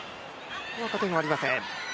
加点はありません。